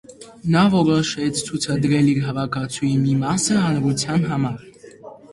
Նա որոշեց ցուցադրել իր հավաքածուի մի մասը հանրության համար։